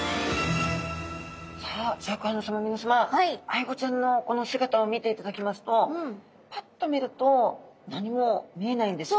アイゴちゃんのこの姿を見ていただきますとパッと見ると何も見えないんですが。